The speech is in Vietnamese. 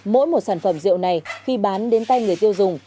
mỗi một sản phẩm rượu này khi bán đến tay người tiêu dùng